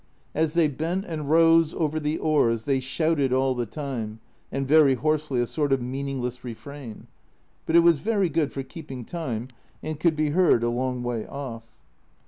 As they bent and rose over the oars they shouted all the time and very hoarsely a sort of meaningless refrain but it was very good for keeping time and could be heard a long way off.